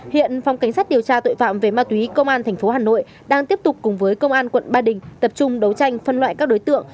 hiện phòng cảnh sát điều tra tội phạm về ma túy công an tp hà nội đang tiếp tục cùng với công an quận ba đình tập trung đấu tranh phân loại các đối tượng